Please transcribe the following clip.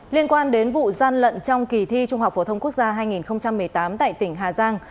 liên quan đến vụ gian lận trong kỳ thi trung học phổ thông quốc gia hai nghìn một mươi tám tại tỉnh hà giang